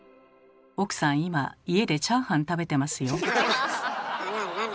奥さん今家でチャーハン食べてますよ。